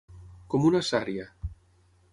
Com una sària.